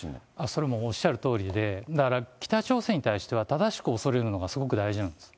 それもおっしゃるとおりで、だから北朝鮮に対しては、正しく恐れるのが、すごく大事なんです。